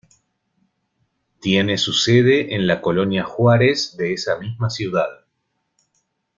Tiene su sede en la Colonia Juárez de esa misma ciudad.